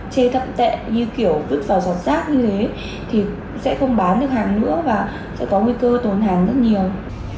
chê thậm tệ như kiểu vứt vào giọt rác như thế thì sẽ không bán được hàng nữa và sẽ có nguy cơ tồn hàng rất nhiều